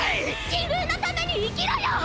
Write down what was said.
自分のために生きろよ！！